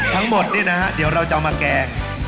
ทั้งหมดนี่นะฮะเดี๋ยวเราจะเอามาแกง